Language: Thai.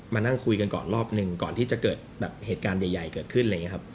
นั่งคุยกันก่อนรอบหนึ่งก่อนที่จะเกิดแบบเหตุการณ์ใหญ่เกิดขึ้นอะไรอย่างนี้ครับ